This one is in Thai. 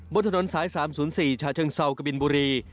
บนถนนสาย๓๐๔ฉะเชิงเซากบินบุรี